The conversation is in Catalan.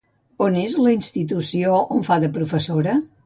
On és la institució on fa de professora?